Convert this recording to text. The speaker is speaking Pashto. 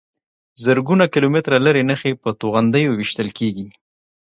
زرګونه کیلومتره لرې نښې په توغندیو ویشتل کېږي.